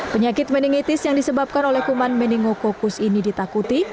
penyakit meningitis yang disebabkan oleh kuman meninococus ini ditakuti